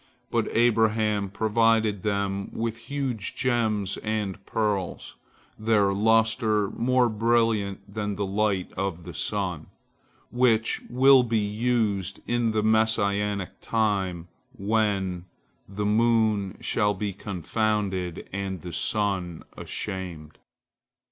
But Abraham provided them with huge gems and pearls, their lustre more brilliant than the light of the sun, which will be used in the Messianic time when "the moon shall be confounded and the sun ashamed."